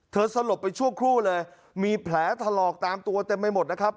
สลบไปชั่วครู่เลยมีแผลถลอกตามตัวเต็มไปหมดนะครับ